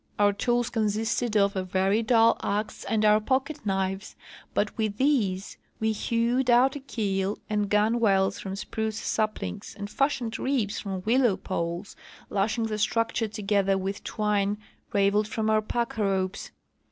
Our tools consisted of a very dull axe and our pocket knives, but Avith these Ave heAved out a keel and guuAvales from spruce saplings and fashioned ribs from avIIIoav poles, lashing the structure together Avith twine ravelled from our pack ropes.